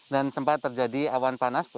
dan sempat terjadi awan panas